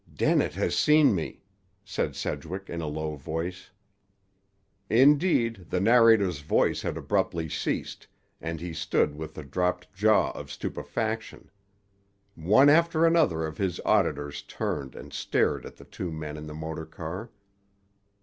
"Dennett has seen me," said Sedgwick in a low voice. Indeed, the narrator's voice had abruptly ceased, and he stood with the dropped jaw of stupefaction. One after another of his auditors turned and stared at the two men in the motor car.